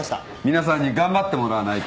皆さんに頑張ってもらわないと。